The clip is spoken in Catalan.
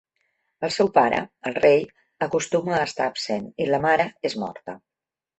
El seu pare, el rei, acostuma a estar absent i la mare és morta.